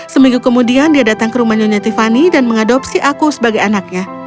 seminggu kemudian dia datang ke rumah nyonya tiffany dan mengadopsi aku sebagai anaknya